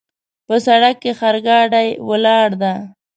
په سړک کې خرګاډۍ ولاړ ده